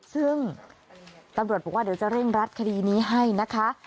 ซึ่งตำรวจบอกว่าเดี๋ยวจะเร่งรัดคดีนี้ให้นะคะ